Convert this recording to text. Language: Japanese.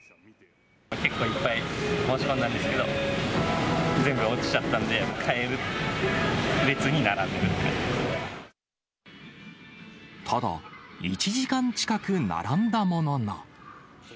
結構いっぱい申し込んだんですけど、全部落ちちゃったんで、ただ、１時間近く並んだものの。